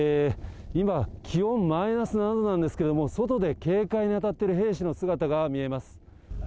今、気温マイナス７度なんですけれども、外で警戒に当たっている兵士の姿が見えます。